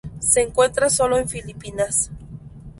Se encuentra sólo en Filipinas.